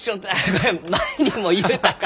これ前にも言うたか！